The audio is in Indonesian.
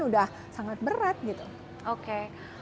udah sangat berat gitu oke